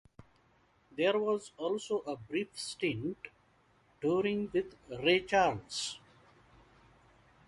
There was also a brief stint touring with Ray Charles.